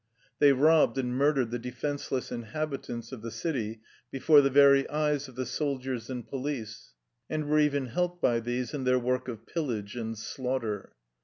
They robbed and murdered the defense less inhabitants of the city before the very eyes of the soldiers and police, and were even helped by these in their work of pillage and slaugh ter.